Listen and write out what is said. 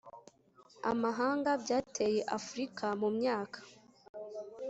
amahanga byateye Afurika mu myaka